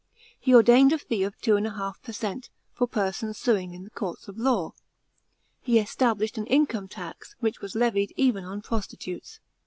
He ordained a fee of 2£ per cent, for persons suing in the courts of law. He established an income tax, which was levied even on prostitutes.